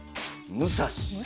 武蔵？